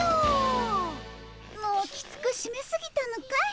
もうきつくしめすぎたのかい？